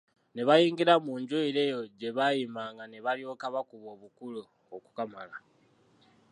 Ne bayingira mu nju era eyo gye bayimanga ne balyoka bakuba obukule okukamala!